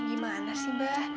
gimana sih mba